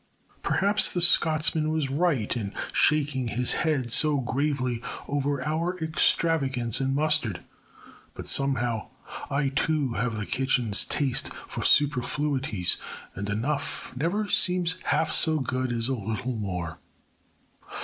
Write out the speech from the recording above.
Perhaps the Scotsman was right in shaking his head so gravely over our extravagance in mustard. But somehow I, too, have the kitchen's taste for superfluities, and enough never seems half so good as a little more.